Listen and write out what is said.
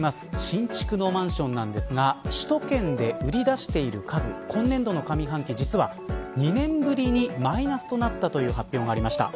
新築のマンションなんですが首都圏で売り出している数今年度の上半期実は２年ぶりにマイナスとなったという発表がありました。